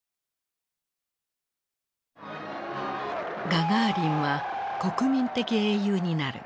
ガガーリンは国民的英雄になる。